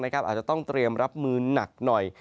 อาจจะต้องเตรียมรับมือหนักหน่อย